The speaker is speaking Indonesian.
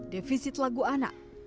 defisit lagu anak